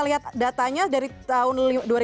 lihat datanya dari tahun